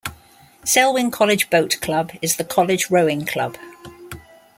Selwyn College Boat Club is the college rowing club.